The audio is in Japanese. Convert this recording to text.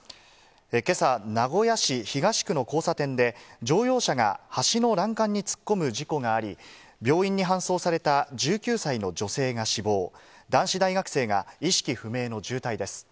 けさ、名古屋市東区の交差点で、乗用車が橋の欄干に突っ込む事故があり、病院に搬送された１９歳の女性が死亡、男子大学生が意識不明の重体です。